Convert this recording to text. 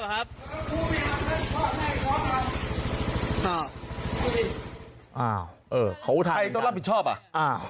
ใครต้องรับผิดชอบอ่ะ